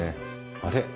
あれ？